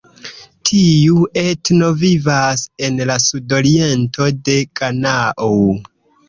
Tiu etno vivas en la sudoriento de Ganao.